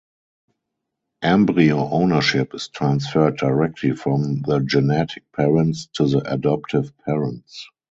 Embryo ownership is transferred directly from the genetic parents to the adoptive parents.